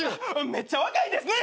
めっちゃ若いですね。